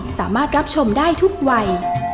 สามารถรับชมได้ทุกวัย